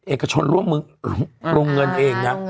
เอกชนร่วมมือลงเงินเองนะ